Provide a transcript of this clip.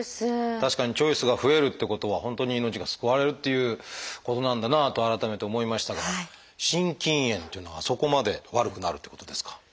確かにチョイスが増えるってことは本当に命が救われるということなんだなと改めて思いましたが心筋炎っていうのはそこまで悪くなるってことですか？